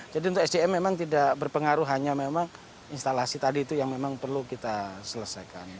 jadi untuk sdm memang tidak berpengaruh hanya memang instalasi tadi itu yang memang perlu kita selesaikan